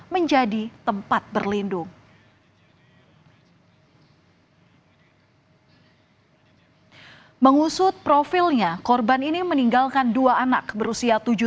menjadi tempat berlindung mengusut profilnya korban ini meninggalkan dua anak berusia tujuh